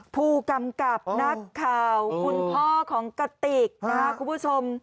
ผู้กำกับนักข่าวคุณพ่อของกติกนะครับคุณผู้ชม